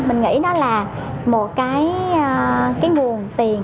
mình nghĩ nó là một cái nguồn tiền